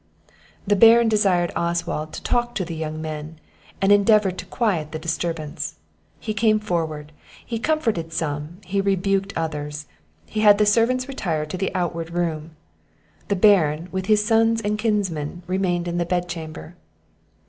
The Baron desired Oswald to talk to the young men, and endeavour to quiet the disturbance. He came forward; he comforted some, he rebuked others; he had the servants retire into the outward room. The Baron, with his sons and kinsmen, remained in the bed chamber.